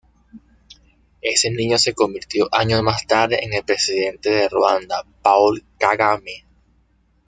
Ese niño se convirtió años más tarde en el presidente de Ruanda, Paul Kagame.